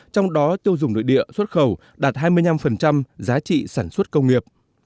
trong đó tiêu dùng nội địa xuất khẩu đạt hai mươi năm giá trị sản xuất công nghiệp